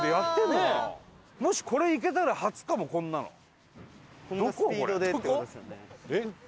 もしこれ行けたら初かもこんなの。